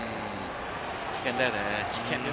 危険だよね。